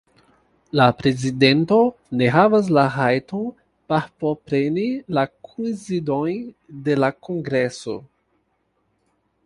La prezidento ne havas la rajton partopreni la kunsidojn de la kongreso.